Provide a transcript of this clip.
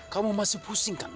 kamu masih pusing kan